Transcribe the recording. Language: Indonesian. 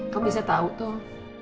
kamu biasanya tau tuh